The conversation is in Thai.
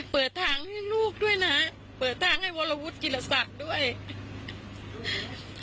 เปิดทางให้ลูกด้วยนะเปิดทางให้วรวุฒิกิรศักดิ์ด้วย